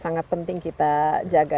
sangat penting kita jaga